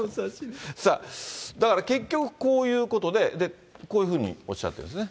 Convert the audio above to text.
さあ、だから結局こういうことで、こういうふうにおっしゃっているんですね。